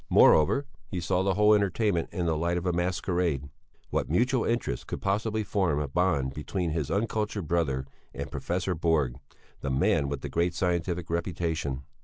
Moreover, he saw the whole entertainment in the light of a masquerade. What mutual interest could possibly form a bond between his uncultured brother and Professor Borg, the man with the great scientific reputation?